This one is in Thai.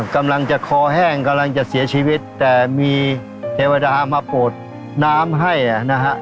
กำลังจะคอแห้งกำลังจะเสียชีวิตแต่มีเทวดามาโปรดน้ำให้อ่ะนะฮะ